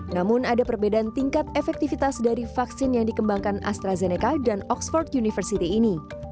namun ada perbedaan tingkat efektivitas dari vaksin yang dikembangkan astrazeneca dan oxford university ini